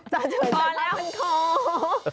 ตอนนี้โปรดแล้วจาเฉยแปรงของข้อ